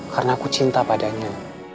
karena aku cinta padanya